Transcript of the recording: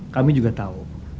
kami juga tahu